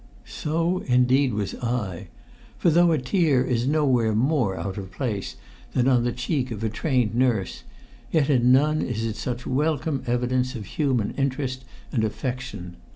So, indeed, was I; for though a tear is nowhere more out of place than on the cheek of a trained nurse, yet in none is it such welcome evidence of human interest and affection.